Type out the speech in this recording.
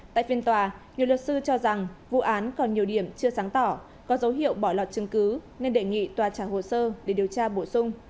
tại phiên tòa nhiều luật sư cho rằng vụ án còn nhiều điểm chưa sáng tỏ có dấu hiệu bỏ lọt chứng cứ nên đề nghị tòa trả hồ sơ để điều tra bổ sung